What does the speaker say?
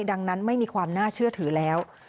ดังนั้นไม่มีความน่าเชื่อถือแล้ว